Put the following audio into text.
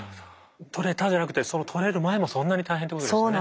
採れたじゃなくてその採れる前もそんなに大変ってことですよね。